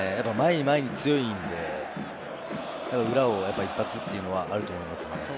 前に前に強いので、裏を一発というのはあると思います。